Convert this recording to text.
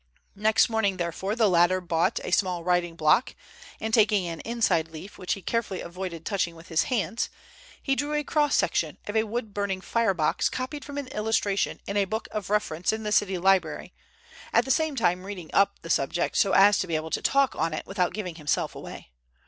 Next morning, therefore, the latter bought a small writing block, and taking an inside leaf, which he carefully avoided touching with his hands, he drew a cross section of a wood burning fire box copied from an illustration in a book of reference in the city library, at the same time reading up the subject so as to be able to talk on it without giving himself away.